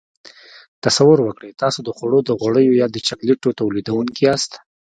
تصور وکړئ تاسو د خوړو د غوړیو یا د چاکلیټو تولیدوونکي یاست.